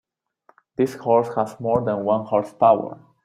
This horse has more than one horse power.